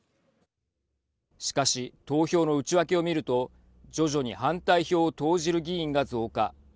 しかし、投票の内訳を見ると徐々に反対票を投じる議員が増加。